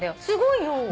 すごいよ。